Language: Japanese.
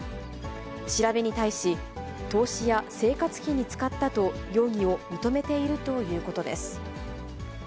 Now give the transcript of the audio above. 調べに対し、投資や生活費に使ったと容疑を認めているということです。